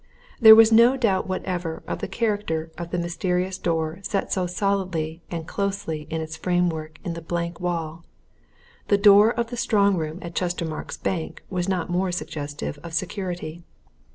There was no doubt whatever of the character of the mysterious door set so solidly and closely in its framework in the blank wall: the door of the strong room at Chestermarke's Bank was not more suggestive of security.